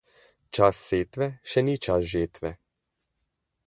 Čas setve še ni čas žetve.